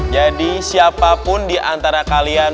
jadi siapapun diantara kalian